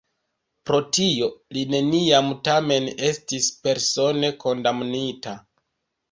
Pro tio li neniam tamen estis persone kondamnita.